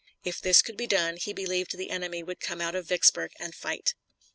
If this could be done he believed the enemy would come out of Vicksburg and fight.